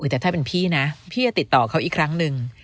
แต่ถ้าเป็นพี่นะพี่จะติดต่อเขาอีกครั้งหนึ่ง